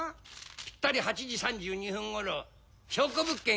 「ぴったり８時３２分ごろ証拠物件